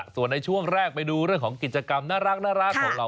ส่วนในช่วงแรกไปดูเรื่องของกิจกรรมน่ารักของเรา